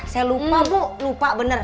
saya lupa bu lupa benar